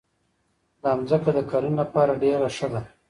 دا ځمکه د کرنې لپاره ډېره ښه ده.